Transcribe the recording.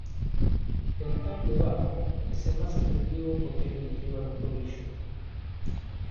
El "tackle abajo" es el más efectivo porque es dirigido a los tobillos.